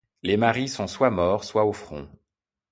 Les maris sont soit morts, soit au front.